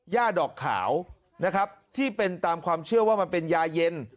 ย่าดอกขาวนะครับที่เป็นตามความเชื่อว่ามันเป็นยาเย็น